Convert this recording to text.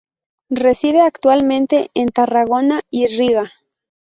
Reside actualmente en Tarragona y Riga.